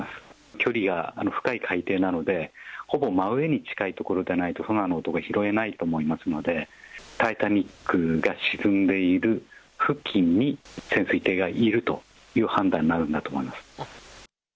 距離が深い海底なので、ほぼ真上に近い所じゃないとソナーの音が拾えないと思いますので、タイタニックが沈んでいる付近に、潜水艇がいるという判断になるんだと思います。